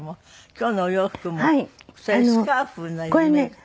今日のお洋服もそれスカーフのリメイク。